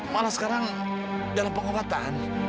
malah sekarang dalam pengobatan